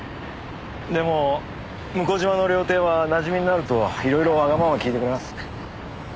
でも向島の料亭はなじみになるといろいろわがままを聞いてくれます。